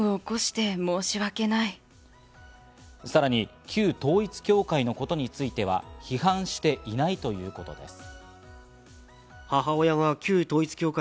さらに旧統一教会のことについては、批判していないということです。